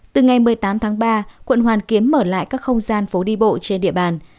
từ ngày một mươi tám tháng ba quận hoàn kiếm mở lại các không gian phố đi bộ trên địa bàn